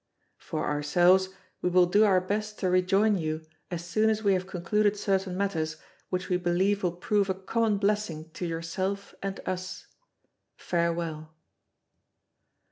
For ourselves, we will do our best to rejoin you as soon as we have concluded certain matters which we believe will prove a common blessing to yourself and us. Farewell."